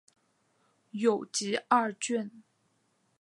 有集二卷。